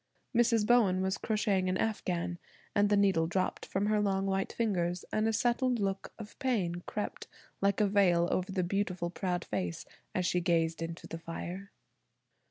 Mrs. Bowen was crocheting an afghan and the needle dropped from her long white fingers and a settled look of pain crept like a veil over the beautiful proud face as she gazed into the fire.